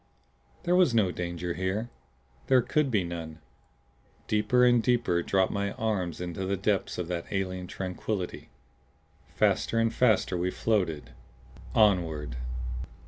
There was no danger here there could be none. Deeper and deeper dropped my mind into the depths of that alien tranquillity. Faster and faster we floated onward.